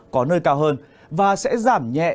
có nơi cao hơn và sẽ giảm nhẹ